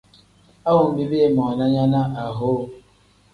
A wenbi biimoona nya ne aho.